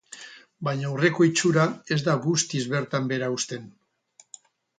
Baina aurreko itxura ez da guztiz bertan behera uzten.